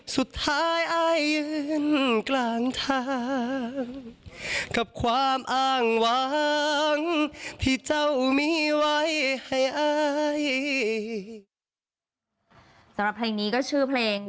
สำหรับเพลงนี้ก็ชื่อเพลง